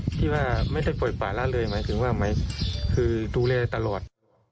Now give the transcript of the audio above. ที่ว่าไม่ได้ปล่อยปล่าแล้วเลยหมายถึงว่าดูแลตลอด